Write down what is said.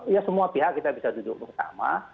ya semua pihak kita bisa duduk bersama